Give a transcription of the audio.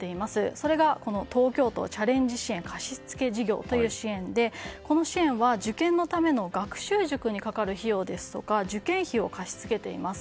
それが、東京都チャレンジ支援貸付事業という支援でこの支援は受験のための学習塾にかかる費用や受験費を貸し付けています。